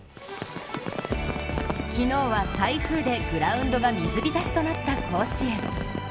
昨日は台風でグラウンドが水浸しとなった甲子園。